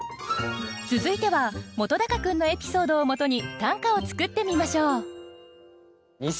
続いては本君のエピソードをもとに短歌を作ってみましょう。